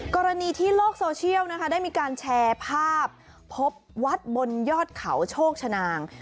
กรณีที่โลกโซเชียลนะคะได้มีการแชร์ภาพพบวัดบนยอดเขาโชคชนาง